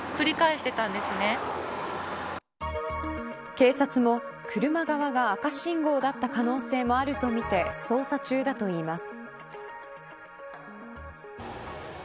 警察も、車側が赤信号だった可能性もあるとみて捜査中だといいます。